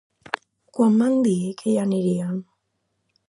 Quan van dir que hi anirien?